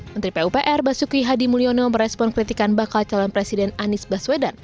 menteri pupr basuki hadi mulyono merespon kritikan bakal calon presiden anies baswedan